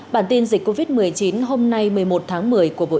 bản tin dịch covid một mươi chín hôm nay một mươi một tháng một mươi của bộ y tế